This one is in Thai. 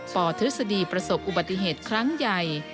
ธฤษฎีประสบอุบัติเหตุครั้งใหญ่